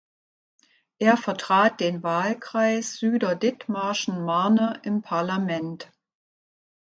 Er vertrat den Wahlkreis Süderdithmarschen-Marne im Parlament.